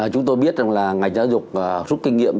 chúng tôi biết rằng là ngành giáo dục rút kinh nghiệm